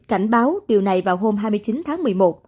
cảnh báo điều này vào hôm hai mươi chín tháng một mươi một